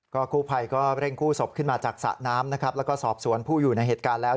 กู้ภัยก็เร่งกู้ศพขึ้นมาจากสระน้ำนะครับแล้วก็สอบสวนผู้อยู่ในเหตุการณ์แล้ว